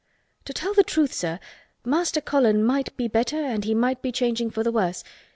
"To tell the truth, sir, Master Colin might be better and he might be changing for the worse.